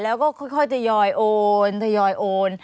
แล้วก็ค่อยจะยอยโอน